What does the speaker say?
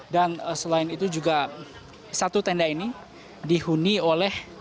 dan selain itu juga satu tenda ini dihuni oleh